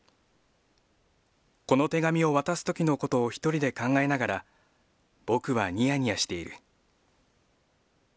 この手紙を渡すときのことをひとりで考えながら、僕はにやにやしている。